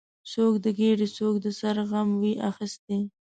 څوک د ګیډې، څوک د سر غم وي اخیستی